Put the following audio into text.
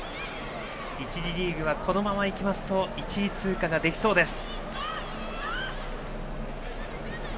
１次リーグはこのままいきますと１位通過ができそうです。